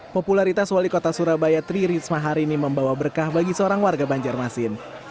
popularitas wali kota surabaya tri risma hari ini membawa berkah bagi seorang warga banjarmasin